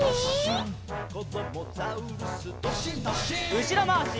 うしろまわし。